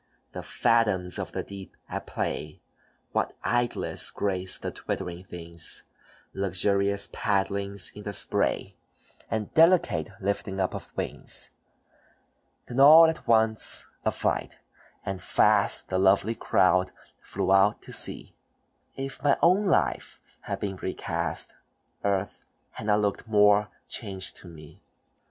The phantoms of the deep at play! What idless graced the twittering things; Luxurious paddlings in the spray, And delicate lifting up of wings. Then all at once a flight, and fast The lovely crowd flew out to sea; If mine own life had been recast, Earth had not looked more changed to me.